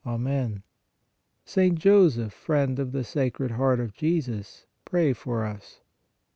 Amen. St. Joseph, friend of the Sacred Heart of Jesus, pray for us.